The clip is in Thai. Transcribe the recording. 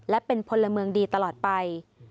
และเป็นพลเมืองดีตลอดไป